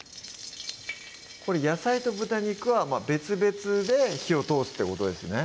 これ野菜と豚肉は別々で火を通すってことですね